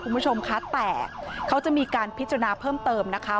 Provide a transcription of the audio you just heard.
คุณผู้ชมคะแต่เขาจะมีการพิจารณาเพิ่มเติมนะคะ